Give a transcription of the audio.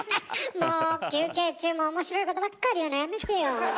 もう休憩中も面白いことばっかり言うのやめてよ。